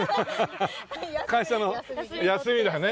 会社の休みだね。